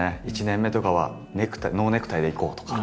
１年目とかはノーネクタイでいこうとか。